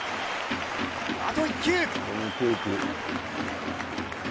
あと１球